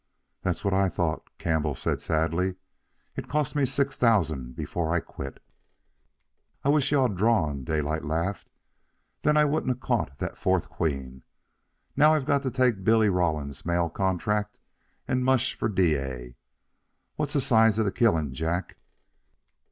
"That's what I thought," Campbell said sadly. "It cost me six thousand before I quit." "I wisht you all'd drawn," Daylight laughed. "Then I wouldn't a' caught that fourth queen. Now I've got to take Billy Rawlins' mail contract and mush for Dyea. What's the size of the killing, Jack?"